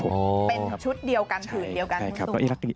เป็นชุดเดียวกันผืนเดียวกัน